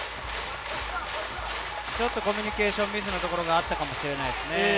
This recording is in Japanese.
ちょっとコミュニケーションミスのところがあったかもしれませんね。